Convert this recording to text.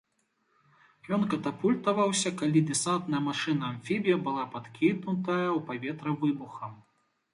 Ён катапультаваўся, калі дэсантная машына-амфібія была падкінутая ў паветра выбухам.